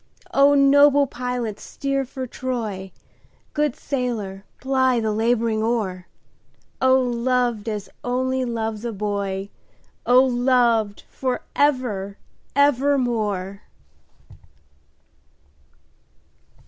O noble pilot steer for Troy, Good sailor ply the labouring oar,O loved as only loves a boy!O loved for ever evermore!